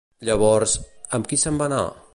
Llavors, amb qui se'n va anar?